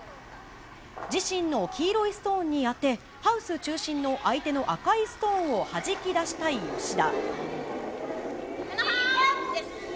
自身の黄色いストーンに当て、ハウス中心の相手の赤いストーンをはじき出したい吉田。